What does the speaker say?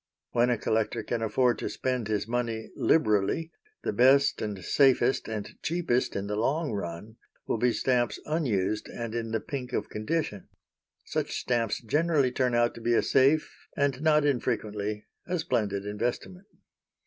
When a collector can afford to spend his money liberally, the best and safest, and cheapest in the long run, will be stamps unused and in the pink of condition. Such stamps generally turn out to be a safe and not unfrequently a splendid investment.